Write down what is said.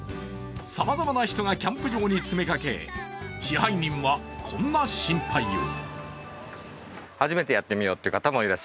さまざまな人がキャンプ場に詰めかけ、支配人はこんな心配を。